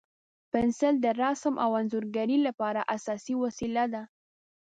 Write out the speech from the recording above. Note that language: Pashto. پنسل د رسم او انځورګرۍ لپاره اساسي وسیله ده.